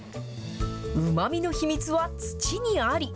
うまみの秘密は土にあり。